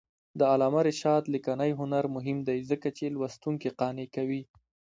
د علامه رشاد لیکنی هنر مهم دی ځکه چې لوستونکي قانع کوي.